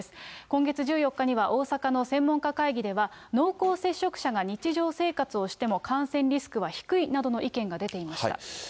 今月１４日には、大阪の専門家会議では、濃厚接触者が日常生活をしても、感染リスクは低いなどの意見が出ていました。